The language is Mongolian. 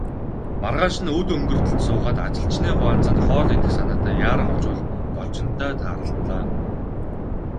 Маргааш нь үд өнгөртөл суугаад, ажилчны гуанзанд хоол идэх санаатай яаран очвол Должинтой тааралдлаа.